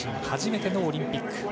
初めてのオリンピック。